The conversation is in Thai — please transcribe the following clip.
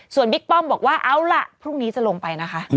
ส่วนบิ๊กป้อมบอกว่าเอาล่ะพรุ่งนี้จะลงไปนะคะ